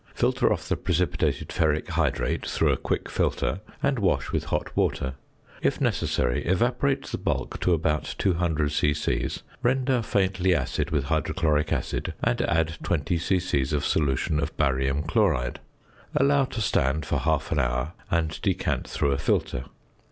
Filter off the precipitated ferric hydrate through a quick filter, and wash with hot water. If necessary, evaporate the bulk to about 200 c.c., render faintly acid with hydrochloric acid, and add 20 c.c. of solution of barium chloride; allow to stand for half an hour, and decant through a filter.